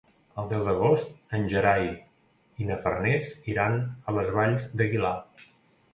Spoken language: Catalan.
El deu d'agost en Gerai i na Farners iran a les Valls d'Aguilar.